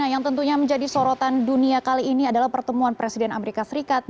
yang tentunya menjadi sorotan dunia kali ini adalah pertemuan presiden amerika serikat